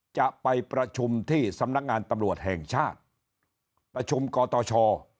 จะไปประชุมที่สำนักงานตำรวจแห่งชาติประชุมกตช